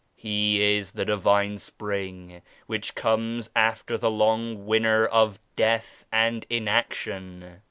He is the Divine Spring 57 which comes after the long winter of death and inaction.